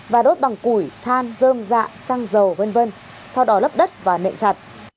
và đốt bằng củi than dơm dạ xăng dầu v v sau đó lấp đất và nện chặt